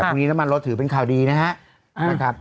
แต่พรุ่งนี้น้ำมันลดถือเป็นข่าวดีนะครับ